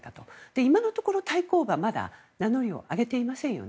今のところ、対抗馬は名乗りを上げていませんよね。